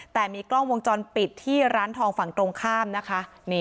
แต่มีกล้องวงจรปิดที่ร้านทองฝั่งตรงข้ามนะคะ